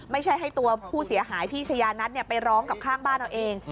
ไม่ใช่ให้ตัวผู้เสียหายพี่ชายานัทไปร้องกับข้างบ้านเอาเอง